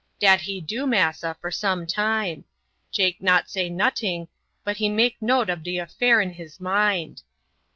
Dat he do, massa, for some time. Jake not say noting, but he make a note ob de affair in his mind.